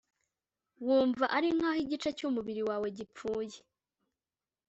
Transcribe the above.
wumva ari nk’aho igice cy’umubiri wawe gipfuye